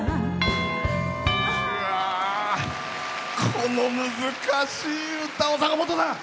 この難しい歌を坂本さん！